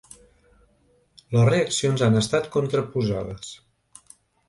Les reaccions han estat contraposades.